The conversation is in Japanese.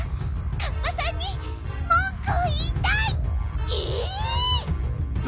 カッパさんにもんくをいいたい！え！？